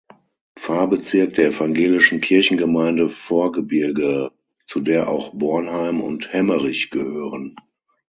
Pfarrbezirk der "Evangelischen Kirchengemeinde Vorgebirge", zu der auch Bornheim und Hemmerich gehören.